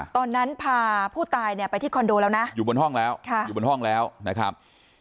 ตอนนั้นพาผู้ตายเนี่ยไปที่คอนโดแล้วนะอยู่บนห้องแล้วอยู่บนห้องแล้วนะครับ